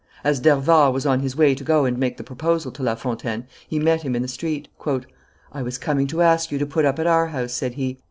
As D'Hervart was on his way to go and make the proposal to La Fontaine, he met him in the street. "I was coming to ask you to put up at our house," said he.